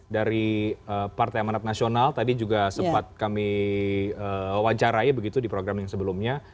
dari partai amanat nasional tadi juga sempat kami wawancarai begitu di program yang sebelumnya